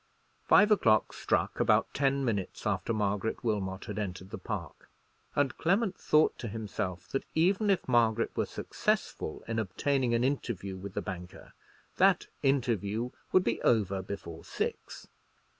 Five o'clock struck about ten minutes after Margaret Wilmot had entered the park, and Clement thought to himself that even if Margaret were successful in obtaining an interview with the banker, that interview would be over before six.